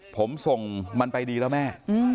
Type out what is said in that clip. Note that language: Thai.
ผมส่งมันไปดีแล้วแม่